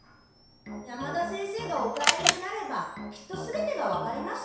山田先生がお帰りになればきっと全てが分かります。